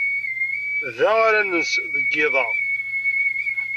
Da ara nens deg yiḍ-a.